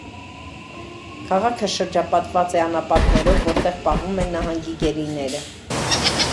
Քաղաքը շրջապատված է անապատներով, որտեղ պահվում են նահանգի գերիները։